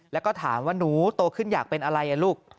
แล้วก็ถามว่าหนูโตขึ้นอยากเป็นอะไรลูก